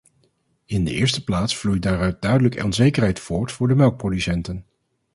In de eerste plaats vloeit daaruit duidelijk onzekerheid voort voor de melkproducenten.